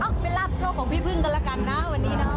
ไปรับโชคของพี่พึ่งกันแล้วกันนะวันนี้นะ